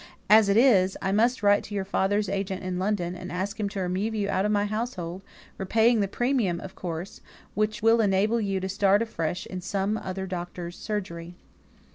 As it is, I must write to your father's agent in London, and ask him to remove you out of my household, repaying the premium, of course, which will enable you to start afresh in some other doctor's surgery."